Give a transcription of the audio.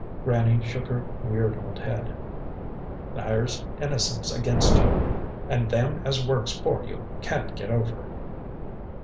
Granny shook her weird old head. "There's innocence against you, and Them as works for you can't get over."